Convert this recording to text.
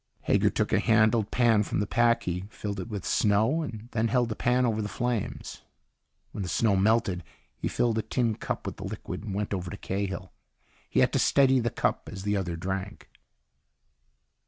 Hager took a handled pan from the pack. He filled it with snow and then held the pan over the flames. When the snow melted, he filled a tin cup with the liquid and went over to Cahill. He had to steady the cup as the other drank.